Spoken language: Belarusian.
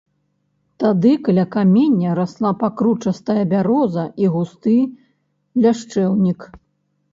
Тады каля каменя расла пакручастая бяроза і густы ляшчэўнік.